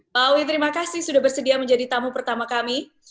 pak awi terima kasih sudah bersedia menjadi tamu pertama kami